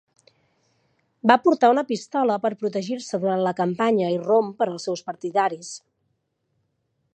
Va portar una pistola per protegir-se durant la campanya i rom per als seus partidaris.